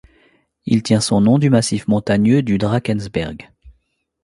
Il tient son nom du massif montagneux du Drakensberg.